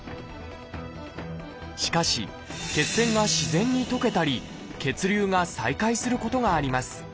しかし血栓が自然に溶けたり血流が再開することがあります。